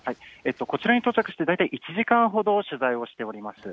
こちらに到着して１時間ほど取材しております。